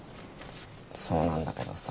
そうなんだけどさ。